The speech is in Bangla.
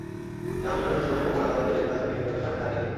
জামিন শুনানির সময় খোকন আদালতের এজলাস কক্ষে বিচারকের সামনে দাঁড়িয়ে ছিলেন।